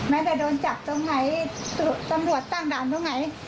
จะโดนจับตรงไหนตำรวจตั้งด่านตรงไหน